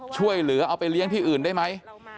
ช่วยเหลือเอาไปเลี้ยงที่อื่นได้ไหม